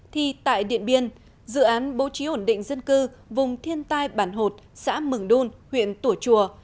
thì tại điện biên dự án bố trí ổn định dân cư vùng thiên tai bản hột xã mừng đun huyện tủa chùa